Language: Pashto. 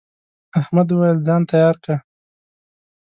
احمد وويل: ځان تیار که.